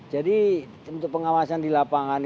jadi untuk pengawasan di lapangan